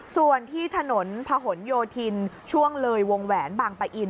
ส่วนที่ถนนพะหนโยธินช่วงเลยวงแหวนบางปะอิน